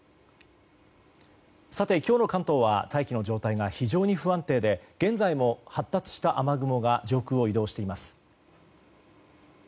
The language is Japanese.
今日の関東は大気の状態が非常に不安定で現在も発達した雨雲が上空を移動しています。